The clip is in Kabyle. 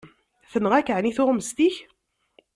Tenɣa-k εni tuɣmest-ik?